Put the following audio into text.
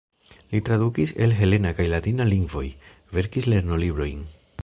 Li tradukis el helena kaj latina lingvoj, verkis lernolibrojn.